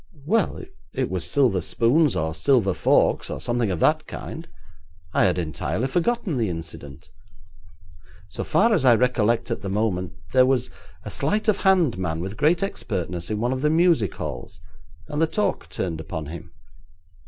'Well, it was silver spoons or silver forks, or something of that kind. I had entirely forgotten the incident. So far as I recollect at the moment there was a sleight of hand man of great expertness in one of the music halls, and the talk turned upon him.